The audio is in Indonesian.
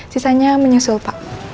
sisanya menyusul pak